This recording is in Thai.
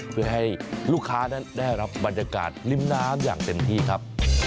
เพื่อให้ลูกค้านั้นได้รับบรรยากาศริมน้ำอย่างเต็มที่ครับ